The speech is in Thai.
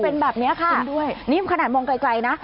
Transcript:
เป็นแบบเนี้ยค่ะเป็นด้วยนี่ขนาดมองไกลน่ะ